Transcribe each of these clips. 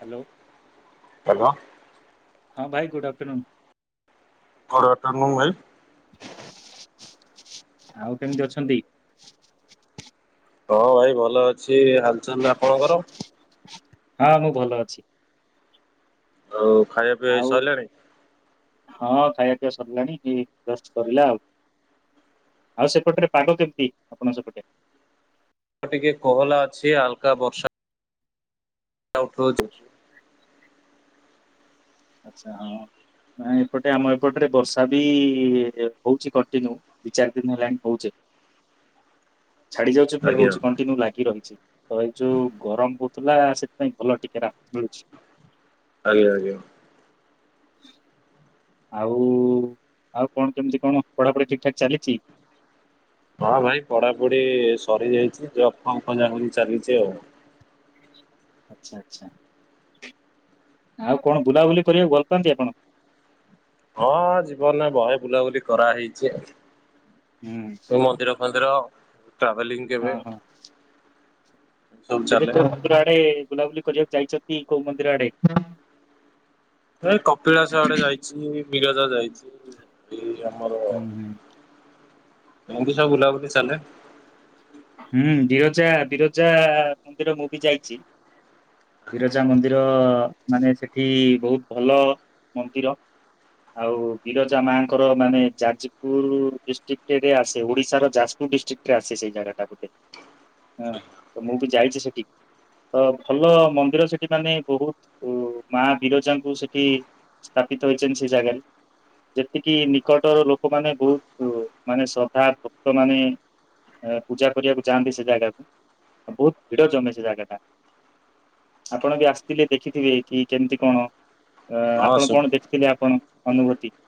Hello. Hello. ହଁ ଭାଇ good afternoon. Good afternoon ଭାଇ। ଆଉ କେମିତି ଅଛନ୍ତି? ହଁ, ଭାଇ ଭଲ ଅଛି। ହାଲ ଚାଲ ଆପଣଙ୍କର। ହଁ, ମୁଁ ଭଲ ଅଛି। ଆଉ ଖାଇବା। ପିଇବା ଆଉ ସରିଲାଣି? ହଁ ଖାଇବା ପିଇବା ସରିଲାଣି। ଏଇ ଜଷ୍ଟ ସରିଲା ଆଉ। ଆଉ ସେପଟ ରେ ପାଗ କେମିତି। ଆପଣଙ୍କ ସେପଟେ। ଟିକେ କୋହଲା ଅଛି। ହାଲକା ବର୍ଷା। ଉଠଉଛି। ଆଚ୍ଛା ହଁ ନାଇଁ ଏପଟେ। ଆମ ଏପଟ ରେ ବର୍ଷା ବି ହଉଛି କଣ୍ଟିନ୍ୟୁ। ଦି ଚାରି ଦିନ ହେଲାଣି ହଉଛି। ଛାଡି ଯାଉଛି ଫେର୍ ଆଜ୍ଞା ହଉଛି କଣ୍ଟିନ୍ୟୁ ଲାଗି ରହିଛି। ତ, ଏଇ ଯୋଉ ଗରମ ହଉଥିଲା। ସେଥିପାଇଁ ଭଲ ଟିକେ ଲା ମିଳୁଛି। ଆଜ୍ଞା ଆଜ୍ଞା। ହ [unintelligible] ଆଉ ଆଉ କଣ କେମିତି କଣ। ପଢା ପଢି ଠିକ୍ ଠାକ୍ ଚାଲିଛି। ହଁ ଭାଇ ପଢା ପଢି ସରି ଯାଇଛି। ଜବ୍ ଫବ ଖୋଜା ଖୋଜି ଚାଲିଛି ଆଉ। ଆଚ୍ଛା ଆଚ୍ଛା। ଆଉ କଣ, ବୁଲା ବୁଲି କରିବାକୁ। ଭଲ ପାଆନ୍ତି ଆପଣ? ହଁ ଜୀବନ ରେ ବହେ। ବୁଲା ବୁଲି କରା ହେଇଛି ଆଉ। ହୁଁ। ମନ୍ଦିର ଫନ୍ଦିର ଟ୍ରାଭେଲିଙ୍ଗ୍ ହଁ କେବେ। ହଁ। ସବୁ କେବେ ଚାଲେ କୋଉ ମନ୍ଦିର ଆଡେ। ବୁଲା ବୁଲି କରିବାକୁ ଯାଇଛକି। କୋଉ ମନ୍ଦିର ଆଡେ? ନାଇ କପିଳାସ ଆଡେ ଯାଇଛି। ବିରଜା ଯାଇଛି ଏଇ ଆମର। ହୁଁ ହୁଁ। ମୁଣ୍ଡିଶା ବୁଲା ବୁଲି ଚାଲେ। ହୁଁ, ବିରଜା, ବିରଜା ମନ୍ଦିର ମୁଁ ବି ଯାଇଛି। ବିରଜା ମନ୍ଦିର ମାନେ ସେଠି। ବହୁତ ଭଲ ମନ୍ଦିର। ଆଉ ବିରଜା ମା ଙ୍କର। ମାନେ ଯାଜପୁର ଡିଷ୍ଟ୍ରିକ୍ଟରେ ଆସେ। ଓଡିଶାର ଯାଜପୁର ଡିଷ୍ଟ୍ରିକ୍ଟ। ଆସେ ସେଇ ଜାଗାଟା। ହ୍ନୁ ତ ମୁଁ ବି ଯାଇଛି ସେଠି। ତ ଭଲ ମନ୍ଦିର ସେଠି ମାନେ। ବହୁତ ମା ବିରଜାଙ୍କୁ ସେଠି। ସ୍ଥାପିତ ହୋଇଛନ୍ତି। ସେ ଜାଗା ରେ। ଯେତିକି ନିକଟର ଲୋକମାନେ ନେ ବହୁତ ମାନେ ଶ୍ରଦ୍ଧା ଭକ୍ତ ମାନେ ପୂଜା କରିବାକୁ ଚାହାଆନ୍ତି ସେ ଜାଗାକୁ ଆଉ ବହୁତ ଭିଡ ଜମେ ସେ ଜାଗା ଟା ଆପଣ ବି ଆସିଥିଲେ ଦେଖିଥିବେ ଏଇଠି କେମିତି କଣ ଅ ଆପଣ ହଁ କଣ ଦେଖିଥିଲେ ଆପଣଙ୍କ ଅନୁଭୂତି?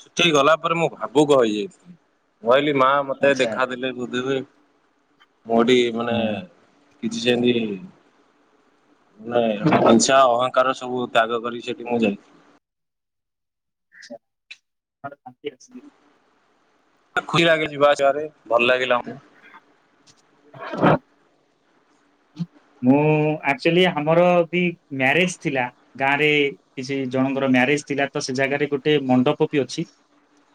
ସେଇଠି ଗଲା ପରେ ମୁଁ ଭାବୁକ ହେଇଯାଇଥିଲି କହିଲି ମା ମତେ ଆଚ୍ଛା ଦେଖାଦେଲେ [unintelligible] ମୋଠି ମାନେ ହଁ। ଉମ କିଛି ଜେମେତି ନାଇଁ ମ ହିଂସା ଅହଂଙ୍କାର ସବୁ ତ୍ୟାଗ କରିିକି ସେଠି ମୁଁ ଯାଇଥିଲି ଛା [inaudible] [inaudible] ଲା ଗେ ଯିବାଆସିବାରେ ଭଲ ଲାଗିଲା ମୋତେ ହ [inaudible] ମୁଁ ଆକ୍ଚୁଲି ଆମର ବି ମ୍ୟାରେଜ ଥିଲା ଗାଁ ରେ କିଛି ଜଣଙ୍କର ମ୍ୟାରେଜ ଥିଲା ତ ସେ ଜାଗାରେ ଗୋଟେ ମଣ୍ଡପ ବି ଅଛି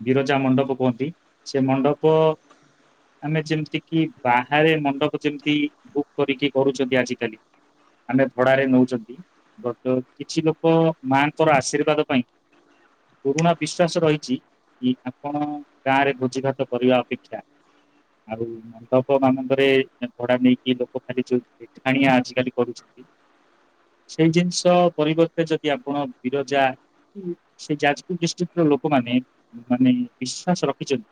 ବିରଜା ମଣ୍ଡପ କୁହନ୍ତି ସେ ମଣ୍ଡପ ଆମେ ଯେମିତି କିି ବାହାରେ ମଣ୍ଡପ ଯେମିତି ବୁକ୍ କରିକି କରୁଛନ୍ତି ଆଜିକାଲି ଆମେ ଭଡାରେ ନଉଚନ୍ତି ବଟ କିଛି ଲୋକ ମାଙ୍କର ଆଶୀର୍ବାଦ ପାଇଁ ପୁରୁଣା ବିଶ୍ୱାସ ରହିଚି କି ଆପଣ ଗାଁ ରେ ଭୋଜିଭାତ କରିବା ଅପେକ୍ଷା ଆଉ ମଣ୍ଡପ ମାନଙ୍କରେ ଭଡା ନେଇକି ଲୋକ ଖାଲି [unintelligible] ଖାଣିଆ ଆଜିକାଲି କରୁଛନ୍ତି ସେଇ ଜିନିଷ ପରିବର୍ତ୍ତେ ଯଦି ଆପଣ ବିରଜା ସେ ଯାଜପୁର ର ଡିଷ୍ଟ୍ରିକ୍ଟ ର ଲୋକମାନେ ମାନେ ବିଶ୍ଵାସ ରଖିଚନ୍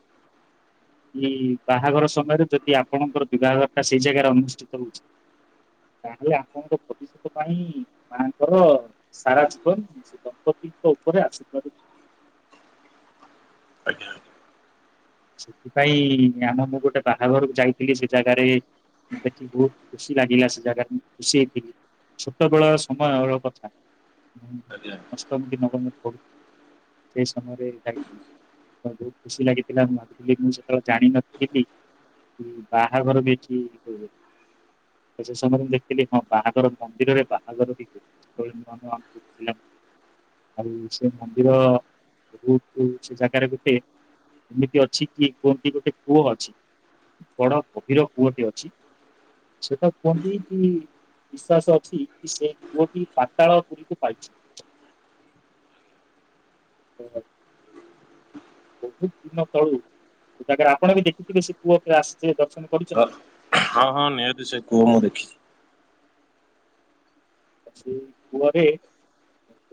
କି ବାହାଘର ସମୟରେ ଯଦି ଆପଣଙ୍କର ବିବାହାଘର ଟା ସେଇ ଜାଗାରେ ଅନୁଷ୍ଠିତ ହୋଉଛି ତାହେଲେ ଆପଣଙ୍କ ଭବିଷ୍ୟତ ପାଇଁ ମାଙ୍କର ସାରା ଜୀବନ ସେ ଦମ୍ପ [unintelligible] ଉପରେ ଆଶୀର୍ବାଦ ଆଜ୍ଞା। ସେଥିପାଇଁ ଆମ ମୁଁ ଗୋଟେ ବାହାଘରକୁ ଯାଇଥିଲି ସେ ଜାଗାରେ ମୁଁ ଦେଖି ବହୁତ ଖୁସି ଲାଗିଲା ସେ ଜାଗାକୁ ମୁଁ ଖୁସି ହେଇଥିଲି ଛୋଟବେଳ ସମୟର କଥା ଆଜ୍ଞା। ହୁମ [unintelligible] ପଢୁ ସେଇ ସମୟରେ ଯାଇଥିଲି ମୁଁ ବହୁତ ଖୁସି ଲାଗଗେ ମୁଁ ଭାବିଥିଲି ସେତେବେଳେ ଜାଣିିନଥିଲି କି ବାହାଘର ବି ଏଠି ହୁଏ ବୋଲି। ସେ ସମୟରେ ମୁଁ ଦେଖଥିଲି ହଁ ବାହାଘର ମନ୍ଦିରରେ ବାହାଘର ବି ହୁଏ ନୂଆ ନୂଆ [unintelligible] ଆଉ ସେ ମନ୍ଦିର ଉମ ସେ [unintelligible] ଜାଗାରେ ଗୋଟେ ଏମିତି ଅଛି କି କୁହନ୍ତି ଗୋଟେ କୁଅ ଅଛି ବଡ ଗଭୀର କୁଅ ଟେ ଅଛି ସେତ କୁହନ୍ତି କି ବିଶ୍ଵାସ ଅଛି କି ସେ କୁଅ ଟି ପାତାଳ ପୁରୀକୁ ପାଇଛି [inaudible] ବହୁତ ଦିନ ତଳୁ ସେ ଜାଗାରେ ଆପଣ ବି ଦେଖିଥିବେ ସେ କୁଅ କୁ ଆସିିବେ ଦର୍ଶନ କରୁଛନ୍ତି ହଁ ହଁ ନିହାତି ସେ କୁଅ ମୁଁ ଦେଖିଛି। ଆଜି ଏଇ କୁଅ ରେ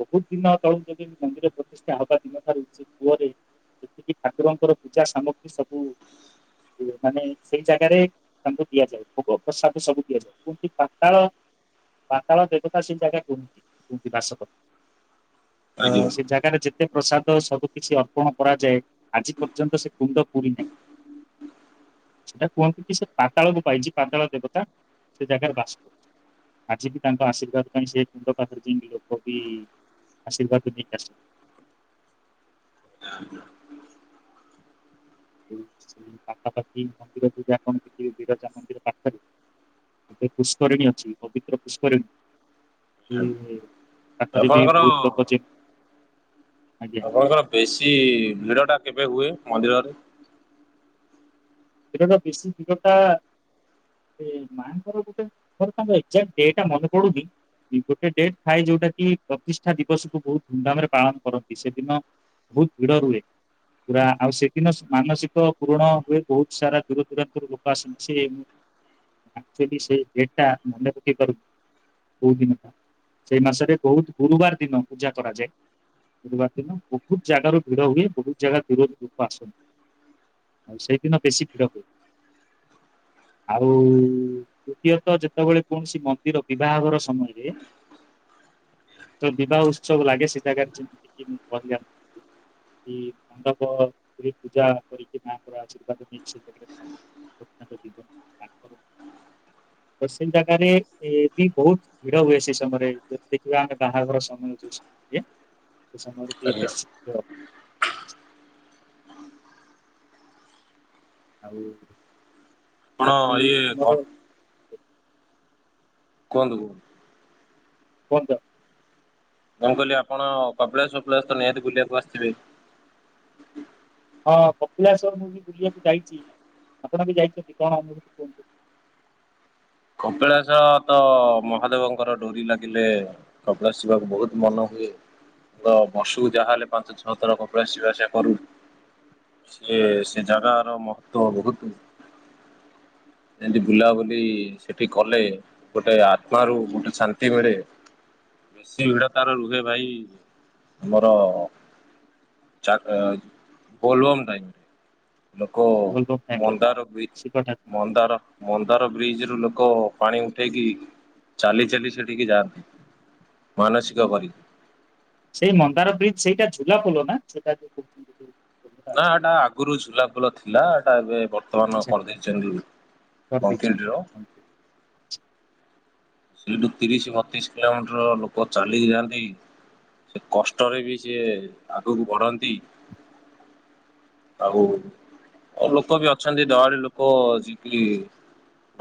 ବହୁତ ଦିନ ତଳକୁ ଯଦି ମନ୍ଦିର ପ୍ରତିଷ୍ଠା ହବା ଦିନ ଠାରୁ ସେ କୁଅରେ ଯେତିକି ଠାକୁରଙ୍କର ପୂଜା ସାମଗ୍ରୀ ସବୁ ଇଏ ମାନେ ସେଇ ଜାଗାରେ ତାଙ୍କୁ ଦିଆଯାଏ ଭୋଗ ପ୍ରସାଦ ସବୁ ଦିଆଯା କୁଂପି ପାତାଳ ତାଳ ଦେବତା ସେ ଜାଗା କୁହନ୍ତି କୁନ୍ତୀ ବାସବ ତ ଆଜ୍ଞା ସେ ଜାଗାରେ ଯେତେ ପ୍ରସାଦ ସବୁ କିିଛି ଅର୍ପଣ କରାଯାଏ ଆଜି ପର୍ଯ୍ୟନ୍ତ ସେ କୁଣ୍ଡ ପୁରୀ ନାହିଁ ସେଇଟା କୁହନ୍ତିୁ କି ସେ ପାତାଳକୁ ପାଇଛି ପାତାଳ ଦେବତା ସେ ଜାଗାରେ ବାସ କରୁଛ ଆଜି ବି ତାଙ୍କ ଆଶୀର୍ବାଦ ପାଇଁ ସେ କୁଣ୍ଡ ପାଖରେ ଯିଇଙ୍କି ଲୋକ ବି ଆଶୀର୍ବାଦ ନେଇକି ଆସନ୍ତି [inaudible] ଏଇ ସେ ପାଖା ପାଖି ମନ୍ଦିର ଦିଟା। [unintelligible] ବିରଜା ମନ୍ଦିର ପାଖରେ। ଗୋଟେ ପୁଷ୍କରିଣୀ ଅଛି ପବିତ୍ର ପୁଷ୍କରିଣୀ [unintelligible] ପାଖରେ ବି ଆପଣଙ୍କର ବହୁତ ଲୋକ ଯେ ଆଜ୍ଞା ତର ବେଶୀ ଭିଡ଼ଟା କେବେ ହୁଏ ମନ୍ଦିରରେ? ଏଟାତ ବେଶୀ ଭିଡ଼ଟା ଏ ମାଆଙ୍କର ଗୋଟେ ମୋର କଣ ତାଙ୍କର ଏକ୍ଜାଟ ଡେଟ ଟା ମନେ ପଡ଼ୁନି ଗୋଟେ ଡେଟ୍ ଥାଏ ଯୋଉଟା କି ପ୍ରତିଷ୍ଠା ଦିବସକୁ ବହୁତ ଧୁମଧାମ ରେ ପାଳନ କରନ୍ତି ସେଦିନ ବହୁତ ଭିଡ଼ ରୁହେ ପୁରା ଆ ସେଦିନ ସ ମାନସିକ ପୂରଣ ହୁଏ ବହୁତ ସାରା ଦୂର ଦୂରାନ୍ତରୁ ଲୋକ ଆସୁଛି ୱାକ୍ଚୁଲି ସେ ଡେଟ୍ ଟା ମନେ ପକେଇ ପାରୁନି କୋଉ ଦିନଟା ସେଇ ମାସରେ ବହୁତ ଗୁରୁବାର ଦିନ ପୂଜା କରାଯାଏ ଗୁରୁବାର ଦିନ ବହୁତ ଜାଗାରୁ ଭିଡ଼ ହୁଏ ବହୁତ ଜାଗା ଦୂର ଲୋକ ଆସନ୍ତି। ଆଉ ସେଇଦିନ ବେଶୀ ଭିଡ଼ ହୁଏ। ଆଉ ତୃତୀୟତଃ ଯେତେବେଳେ କୌଣସି ମନ୍ଦିର ବିବାହଘର ସମୟରେ ତ ବିବାହ ଉତ୍ସବ ଲାଗେ ସୀତାକାର ଯେମତି କି ମୁ କି ମଣ୍ଡପ ପୂଜା କରିକି ମାଙ୍କର ଆଶୀର୍ବାଦ ନେଇକି ସେ [unintelligible] ପଶ୍ଚିମ ଜାଗାରେ ଏ ବି ବହୁତ ଭିଡ଼ ହୁଏ ସେ ସମୟରେ ଯଦି ଦେଖିବା ଆମେ ବାହାରଘର ସମୟ ଦୃଶ୍ୟ ତ ସମର ଆଜ୍ଞା [unintelligible] ଆଉ ଆପଣ ବାକି ଇଏ କ ଆମର କୁହନ୍ତୁ ବନ୍ତ ମୁଁ କହିଲି ଆପଣ କପିଳାଷ ତ ନିହାତି ବୁଲିବାକୁ ଆସିଥିବେ ହଁ କପିଳାଷ ମୁଁ ବି ବୁଲିବାକୁ ଯାଇଛି ଆପଣ ବି ଯାଇଛନ୍ତି କଣ ଅନୁଭୂତି କୁହନ୍ତୁ? କପିଳାଷ ତ ମହାଦେବଙ୍କର ଡୋରି ଲାଗିଲେ କପିଳାଷ ଯିବାକୁ ବହୁତ ମନ ହୁଏ ବର୍ଷକୁ ଯାହାହେଲେ ପାଞ୍ଚ ଛଅ ଥର କପିଳାଷ ଯିବା ଆସିବା କରୁ ସେ ହଁ, ହଁ, ସେ ଜାଗାର ମ ତ ବହୁତ ଏମତି ବୁଲାବୁଲି ସେଠି କଲେ ଗୋଟେ ଆତ୍ମ ରୁ ଗୋଟେ ଶାନ୍ତି ମିଳେ ବେଶୀ ଭିଡ଼ ତାର ରୁହେ ଭାଇ ଆମର ଚା ବୋଲବମ ଟାଇମରେ ଲୋକ ବୋଲବମ୍ ଟାଇମରେ ହଁ ମନ୍ଦାର ବିଜ ଶିବ ଠାକୁର ମନ୍ଦାର ମନ୍ଦାର ବ୍ରିଜ ରୁ ଲୋକ ପାଣି ଉଠେଇକି ଚାଲି ଚାଲି ସେଠିକି ଯାଆନ୍ତି ମାନସିକ କରି ସେଇ ମନ୍ଦାର ବ୍ରିଜ ସେଇଟା ଝୁଲା ପୋଲ ନା ସେଟା ଜୋ କହୁଛନ୍ତି ପୋଲଟା ନା ଅଛି ଏଟା ଆଗରୁ ଝୁଲାପୋଲ ଥିଲା ଏଟା ଏବେ ବର୍ତ୍ତମାନ ସେ କରିଦେଇଛନ୍ତି କରିଦେଇଛନ୍ତି କଂକ୍ରିଟର ତାକୁ ସେଇଠୁ ତିରିଶ ବତିଶ କିଲୋମିଟର ଲୋକ ଚାଲିକି ଯାଆନ୍ତି ସେ କଷ୍ଟରେ ବି ସିଏ ଆଗକୁ ବଢ଼ନ୍ତି ଆଉ ଲୋକ ବି ଅଛନ୍ତି ଦହାଡ଼ି ଲୋକ ଯେକି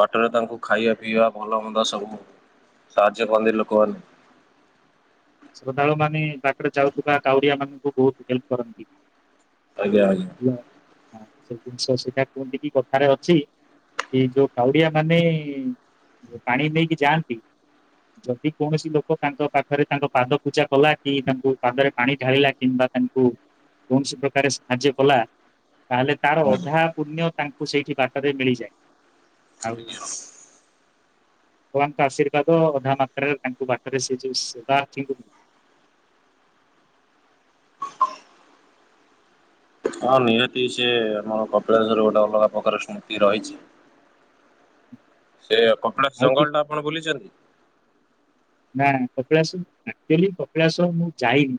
ବାଟରେ ତାଙ୍କୁ ଖାଇବା ପିଇବା ଭଲମନ୍ଦ ସବୁ ସାହାଯ୍ୟ କରନ୍ତି ଲୋକମାନେ ଶ୍ରଦ୍ଧାଳୁମାନେ ବାଟରେ ଚାଲୁଥିବା କାଉରିଆମାନଙ୍କୁ ବହୁତ ହେଲ୍ପ କରନ୍ତି। ଆଉ ଆଜ୍ଞା ଆଜ୍ଞା। ଭଲ ଜିନିଷ ସେଟା କୁହନ୍ତି। କି କଥାରେ ଅଛି। ଏ ଯୋଉ କାଉରିଆ ମାନେ ପାଣି ନେଇକି ଯାଆନ୍ତି ଯଦି କୌଣସି ଲୋକ ତାଙ୍କ ପାଖରେ ତାଙ୍କ ପାଦ ପୂଜା କଲା କି ତାଙ୍କୁ ପାଦରେ ପାଣି ଢାଳିଲା କିମ୍ବା ତାଙ୍କୁ କୌଣସି ପ୍ରକାର ସାହାଯ୍ୟ କଲା ତାହେଲେ ତାର ଅଧା ପୁଣ୍ୟ ତାଙ୍କ ସେଇଠି ବାଟରେ ମିଳିଯାଏ ଆଉ ଭଗବାନଙ୍କ ଆଶୀର୍ବାଦ ଅଧା ମାତ୍ରାରେ ତାଙ୍କ ବାଟରେ ସେ ଯୋଉ ସେବାଙ୍କୁ ହଁ ନିହାତି ସ ଆମର କପିଳାେଶ୍ୱଵର ଗୋଟେ ଅଲଗା ପ୍ରକାର ସ୍ମୃତି ରହିଛି ସେ କପିଳାସ ଆଉ କି ଜଙ୍ଗଲ ଟା ଆପଣ ବୁଲିଛନ୍ତି? ନା କକିଳାସ ଆକ୍ଚୁଆଲି କକିଳାସ ମୁଁ ଯାଇନି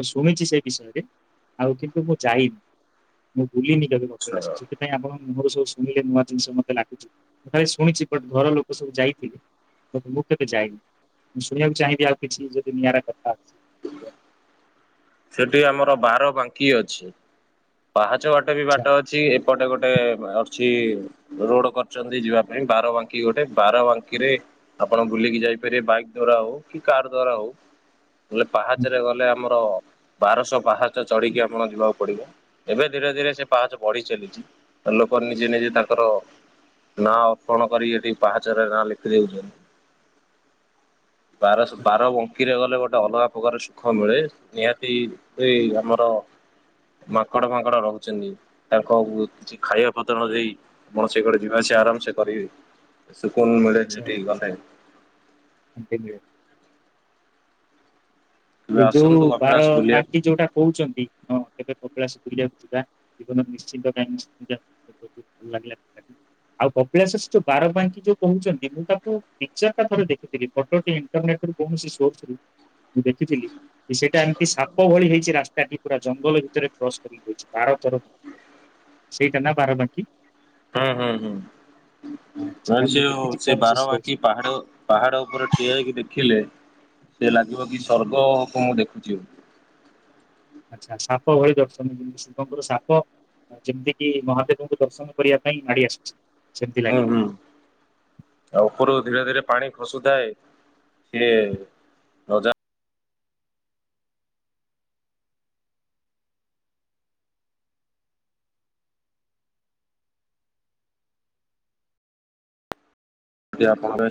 ମୁଁ ଶୁଣିଛି ସେ ବିଷୟରେ ଆଉ କିନ୍ତୁ ମୁଁ ଯାଇନି ମୁଁ ଭୁଲିନି କେବେତ ଆସ ସେଥିପାଇଁ ଆଣ ମୁଁର ସବୁ ଶୁିଲେ ନୂଆ ଜିନିଷ ମତେ ଲାଗୁଛି ଭାଇ ଶୁଣିଛି ବଟ ଘର ଲୋକ ସବୁ ଯାଇଥିଲେ ବଟ ମୁଁ କେବେ ଯାଇନି। ମୁଁ ଶୁଣିବାକୁ ଚାହିଁବି ଆଉ କିଛି ଯଦି ଦୁ ନିିଆର କଥା ସେଠି ଆମର ବାର ବାଙ୍କି ଅଛି ପାହାଚ ବାଟ ବି ଆଚ୍ଛା ବାଟ ଅଛି। ଏ ଏପଟେ ଗୋଟେ ଅଛି। ରୋଡ କରଛନ୍ତି ଯିବା ପାଇଁ ବାରବାଙ୍କି ଗୋଟେ ବାରବାଙ୍କିରେ ଆପଣ ବୁଲିକି ଯାଇପାରିବେ ବାଇକ୍ ଦ୍ଵାରା ହଉ କି କାର ଦ୍ଵାରା ହଉ। ବଲେ ହଁ, ପାହାଚରେ ଗଲେ ଆମର ବାରଶହ ପାହାଚ ଚଢିକି ଆମଣ ଯିବାକୁ ପଡିବ ଏବେ ଧୀରେ ଧୀରେ ସେ ପାହାଚ ବଢି ଚାଲିଛି। ଲୋକ ନିଜେ ନିଜେ ତାଙ୍କର ନାଁ ଅର୍ପଣ କର ଏଠି ପାହାଚରରେ ନାଁ ଲେଖିଦଉଛନ୍ତି। ବାରହ ବାର ବଙ୍କିରେ ଗଲେ ଗୋଟେ ଅଲଗା ପ୍ରକାର ସୁଖ ମିଳେ ନିହା [unintelligible] ସେଇ ଏ ଆମର ମାଙ୍କଡ଼ ଫାଙ୍କଡ ରହୁଛନ୍ତି ତାଙ୍କ କିଛି ଖାଇବା ପତ୍ର ଦେଇ ଆପଣ ସେଇ କଡେ ଯିବା ଆସ ଆରାମସେ କରିବେ ଶୁକୁନ ମିଳେ ଯେଠିକି ଗଲେ। ଆ କେବେ ସେ ଯୋଉ ଆସନ୍ତୁ ବାର କପିଳାସ ବୁଲିବା ବାଙ୍କ ଯୋଉଟା କହୁଛନ୍ତି ହଁ କେବେ ପକିଳାସ ବୁୁରିବାକୁ ଯିବା ଜୀବନ ନିଶ୍ଚିନ୍ତ କଁ [unintelligible] ଆଉ କପିଳାଶେଷ୍ଠ ବାରବାଙ୍କି ଯୋଉ କହୁଛନ୍ତି ମୁଁ ତାକୁ ପିକଚର ଟା ଥରେ ଦେଖିଥିଲି। ଅଟୋ ଇଣ୍ଟରନେଟ କୌଣସି ସୋର୍ସ ଖଥିଲି ସେଇଟା ଏମିତି ସାପ ଭଳି ହେଇଛି ରାସ୍ତା ପୁରା ଜଙ୍ଗଲ ଭିତରେ କ୍ରସ ବାର ଥର ସେଇଟା ନା ବାର ବାକି ହୁଁ ହୁଁ ସେଇଟା ହୁଁ ମୁଁ ସେ ଦେଖିଛି ସେ କୌଣସି ବାରବାଙ୍କି ପାହାଡ। ପାହାଡ଼ ଉପରେ ଠିଆ ହେଇକି ଦେଖିଲେ ସେ ଲାଗିବ କି ସର୍ଗ କଁ ଦେଖୁଛି ଆଉ ଆଚ୍ଛା ସାପ ଭଳି ଦଛନ୍ତି ଯେମିତି [unintelligible] ସାପ ଯେମିତି କିି ମହାଦେବଙ୍କୁ ଦର୍ଶନ କରିବା ପାଇଁ ଆଡି ଆସିଛି। ହୁଁ ହୁଁ। ଆଉ ଉପରୁ ଧୀରେ ଧୀରେ ପାଣି ଖସୁଥାଏ ସିଏ [unintelligible] [unintelligible]